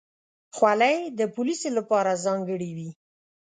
خولۍ د پولیسو لپاره ځانګړې وي.